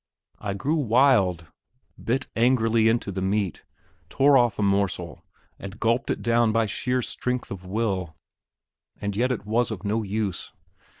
I grew wild, bit angrily into the meat, tore off a morsel, and gulped it down by sheer strength of will; and yet it was of no use.